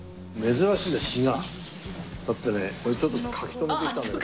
だってね俺ちょっと書き留めてきたんだけど。